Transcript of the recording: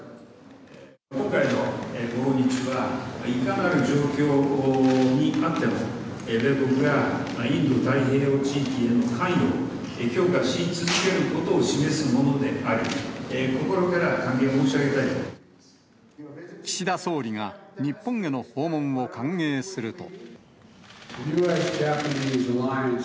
今回のご訪日は、いかなる状況にあっても、米国がインド太平洋地域への関与を強化し続けることを示すものであり、岸田総理が、日本への訪問を歓迎すると。